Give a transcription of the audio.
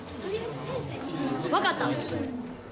分かった！